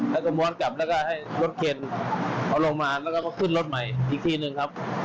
แล้วก็ม้อนกลับแล้วก็ให้รถเคนเขาลงมาแล้วก็ขึ้นรถใหม่อีกทีหนึ่งครับ